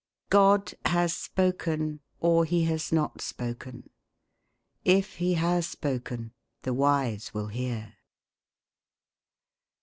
God has spoken, or he has not spoken. If he has spoken, the wise will hear.